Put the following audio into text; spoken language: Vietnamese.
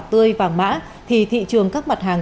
tươi vàng mã thì thị trường các mặt hàng